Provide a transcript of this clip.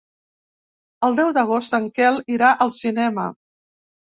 El deu d'agost en Quel irà al cinema.